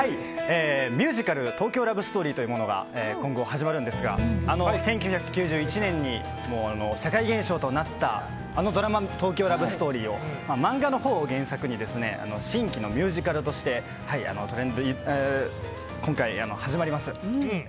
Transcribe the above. ミュージカル「東京ラブストーリー」が今後始まるんですが１９９１年に社会現象となったあのドラマ「東京ラブストーリー」を漫画のほうを原作に新規のミュージカルとして今回始まります。